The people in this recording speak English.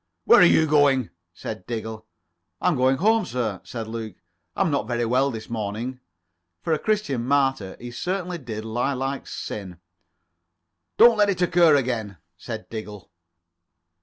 "Where are you going?" said Diggle. "I was going home, sir," said Luke, "I'm not very well this morning." (For a Christian martyr he certainly did lie like sin.) "Don't let it occur again," said Diggle.